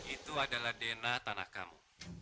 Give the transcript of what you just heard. itu adalah dna tanah kamu